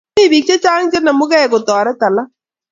Mi piik chechang' cheinemukey kotoret alak